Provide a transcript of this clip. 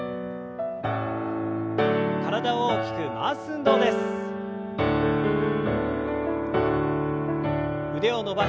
体を大きく回す運動です。